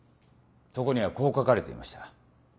そこにはこう書かれていました。